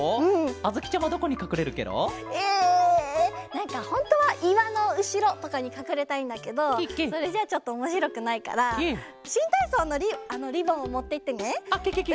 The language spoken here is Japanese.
なんかほんとはいわのうしろとかにかくれたいんだけどそれじゃあちょっとおもしろくないからしんたいそうのリボンをもっていってねうみのなかに。